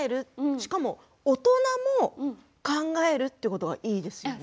しかも大人も考えるということがいいですよね。